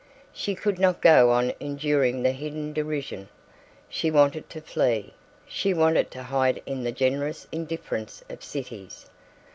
She could not go on enduring the hidden derision. She wanted to flee. She wanted to hide in the generous indifference of cities.